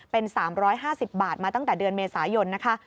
เป็น๓๕๐บาทมาตั้งแต่เดือนเมษายนนะคะ